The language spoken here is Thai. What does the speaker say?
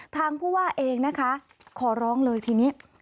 ผู้ว่าเองนะคะขอร้องเลยทีนี้